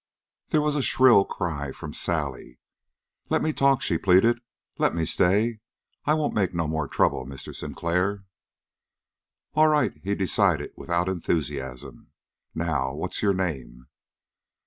There was a shrill cry from Sally. "Let me talk!" she pleaded. "Let me stay! I won't make no more trouble, Mr. Sinclair." "All right," he decided without enthusiasm. "Now, what's your name?"